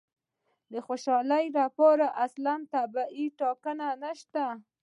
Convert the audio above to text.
د خوشالي لپاره اصلاً طبیعي ټاکنه نشته.